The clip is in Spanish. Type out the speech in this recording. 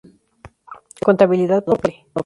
Contabilidad por partida doble.